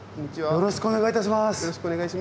よろしくお願いします。